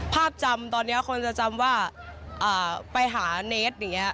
จำตอนนี้คนจะจำว่าไปหาเนสอย่างนี้